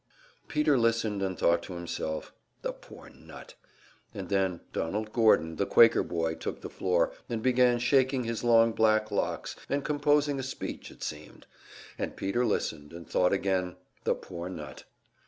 Peter listened, and thought to himself, "The poor nut!" And then Donald Gordon, the Quaker boy, took the floor, and began shaking his long black locks, and composing a speech, it seemed. And Peter listened, and thought again, "The poor nut!"